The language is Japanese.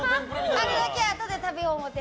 あれだけあとで食べよう思って。